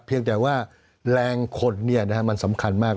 เพียงแต่ว่าแรงคนมันสำคัญมาก